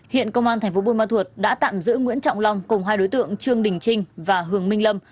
hiện công an tp buôn ma thuột đã tạm giữ nguyễn trọng long cùng hai đối tượng trương đình trinh và hương minh lâm